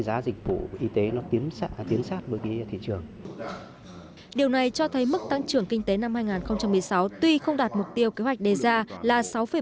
điều này cho thấy mức tăng trưởng kinh tế năm hai nghìn một mươi sáu tuy không đạt mục tiêu kế hoạch đề ra là sáu bảy